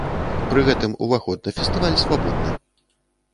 Пры гэтым ўваход на фестываль свабодны.